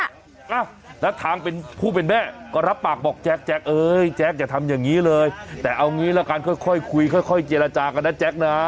อ้าวแล้วทางเป็นผู้เป็นแม่ก็รับปากบอกแจ๊คเอ้ยแจ๊คอย่าทำอย่างนี้เลยแต่เอางี้ละกันค่อยคุยค่อยเจรจากันนะแจ๊คนะ